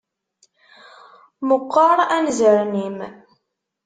Meqqer anzaren-im.